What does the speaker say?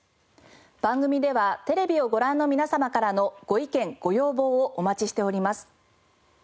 番組ではテレビをご覧の皆様からのご意見ご要望をお待ちしております。